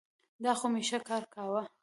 دا خو مي ښه کار کاوه.